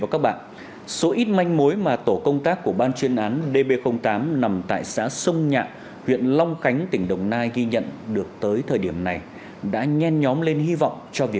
cảm ơn các bạn đã theo dõi